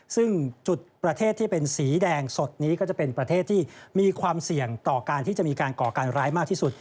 ซึ่งจุดประเทศที่เป็นสีแดงสดนี้ก็จะเป็นประเทศที่มีความเสี่ยงต่อการที่จะมีการก่อการร้ายมากที่สุด